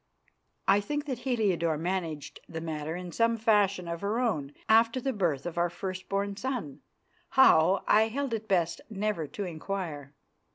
I think that Heliodore managed the matter in some fashion of her own after the birth of our first born son; how, I held it best never to inquire.